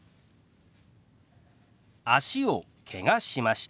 「脚をけがしました」。